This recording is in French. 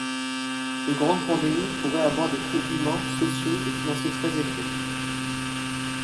De grandes pandémies pourraient avoir des coûts humains, sociaux et financiers très élevés.